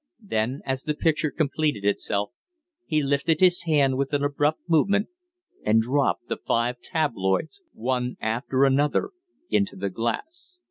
Then, as the picture completed itself, he lifted his hand with an abrupt movement and dropped the five tabloids one after another into the glass.